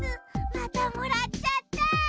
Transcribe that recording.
またもらっちゃった！